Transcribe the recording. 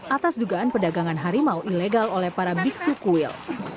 atas dugaan perdagangan harimau ilegal oleh para biksu kuil